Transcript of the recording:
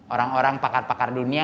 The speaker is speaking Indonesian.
orang orang pakar pakar dunia